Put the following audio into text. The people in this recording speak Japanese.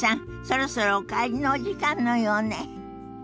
そろそろお帰りのお時間のようね。